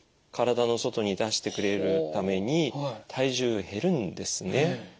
体の外に出してくれるために体重減るんですね。